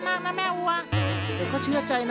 และคู่อย่างฉันวันนี้มีความสุขจริง